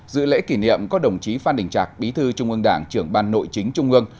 dự lễ kỷ niệm có đồng chí phan đình trạc bí thư trung ương đảng trưởng ban nội chính trung ương